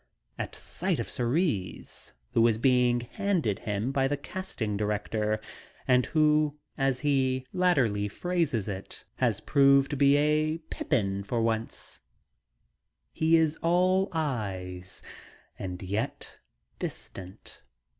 At sight of Cerise, who has been "handed him" by the casting director, and who, as he latterly phrases it, has proved to be a "pippin for once," he is all eyes, and yet distant.